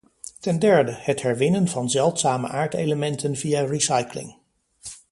Ten derde, het herwinnen van zeldzame aardelementen via recycling.